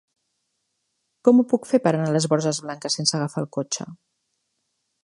Com ho puc fer per anar a les Borges Blanques sense agafar el cotxe?